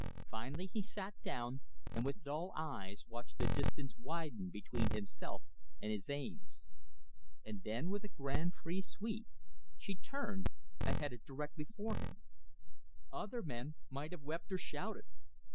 Finally he sat down, and with dull eyes watched the distance widen between himself and his aims. And then with a grand free sweep she turned and headed directly for him. Other men might have wept or shouted.